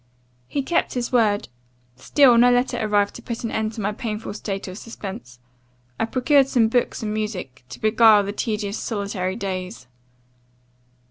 "He kept his word; still no letter arrived to put an end to my painful state of suspense. I procured some books and music, to beguile the tedious solitary days.